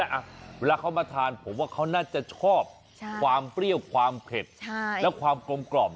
อ่ะเวลาเขามาทานผมว่าเขาน่าจะชอบความเปรี้ยวความเผ็ดและความกลมกล่อม